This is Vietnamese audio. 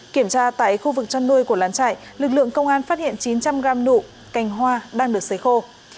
kiểm tra tại khu vực chăn nuôi của lán trại lực lượng công an phát hiện chín trăm linh gram nụ cành hoa đang được xấy khô